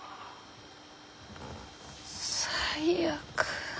最悪。